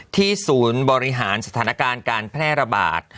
ศูนย์บริหารสถานการณ์การแพร่ระบาด